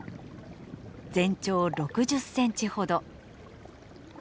全長６０センチほど。